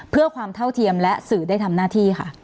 เพื่อความเท่าเทียมและสื่อได้ทำหน้าที่ค่ะ